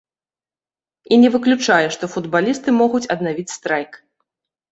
І не выключае, што футбалісты могуць аднавіць страйк.